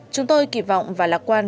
chúng tôi kỳ vọng và lạc quan